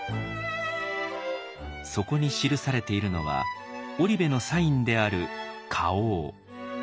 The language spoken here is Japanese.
底に記されているのは織部のサインである花押。